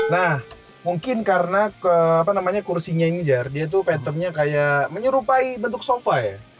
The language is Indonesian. nah mungkin karena kursinya yang ngejar dia tuh pattermnya kayak menyerupai bentuk sofa ya